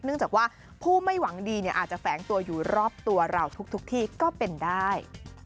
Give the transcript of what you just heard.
จากว่าผู้ไม่หวังดีอาจจะแฝงตัวอยู่รอบตัวเราทุกที่ก็เป็นได้